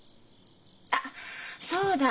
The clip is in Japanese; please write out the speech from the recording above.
あっそうだ！